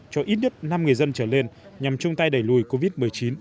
cho ít nhất năm người dân trở lên nhằm chung tay đẩy lùi covid một mươi chín